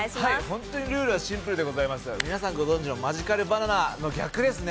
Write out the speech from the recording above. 本当にルールはシンプルでございます、皆さんご存じの「マジカルバナナ」の逆ですね。